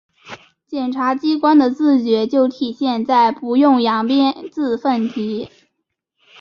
检察机关的自觉就体现在‘不用扬鞭自奋蹄’